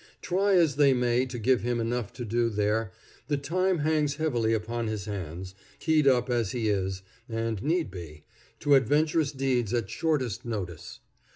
Try as they may to give him enough to do there, the time hangs heavily upon his hands, keyed up as he is, and need be, to adventurous deeds at shortest notice.